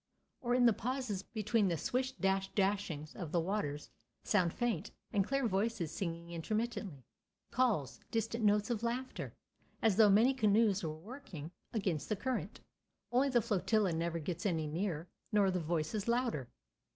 Or, in the pauses between the swish dash dashings of the waters, sound faint and clear voices singing intermittently, calls, distant notes of laughter, as though many canoes were working against the current—only the flotilla never gets any nearer, nor the voices louder.